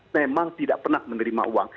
memang tidak pernah menerima uang